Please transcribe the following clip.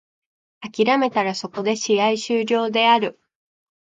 諦めたらそこで試合終了である。